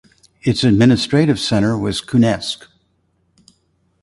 Its administrative centre was Kuznetsk.